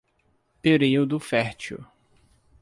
Período fértil